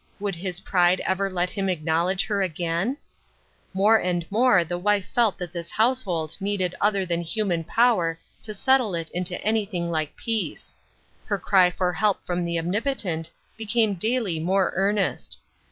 Would his pride ever let him ac knowledge her again ? More and more the wife felt that this household needed other than human power to settle it into anything like peace. Her cry for help from the Omnipotent became daily more earnest.